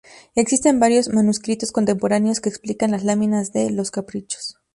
Existen varios manuscritos contemporáneos que explican las láminas de "Los caprichos".